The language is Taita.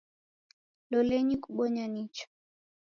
Lolenyi kubonya nicha